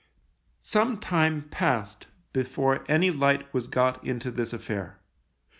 Some time passed before any light was got into this affair.